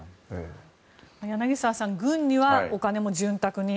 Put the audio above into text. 柳澤さん、軍にはお金も潤沢に。